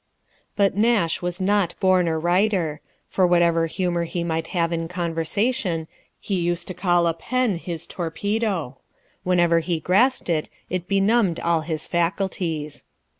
1 But Nash was not born a writer; for whatever humour he might have in conversation, he used to call a pen his torpedo : whenever he grasped it, it benumbed all his faculties.